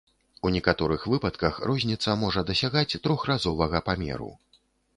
У некаторых выпадках розніца можа дасягаць трохразовага памеру.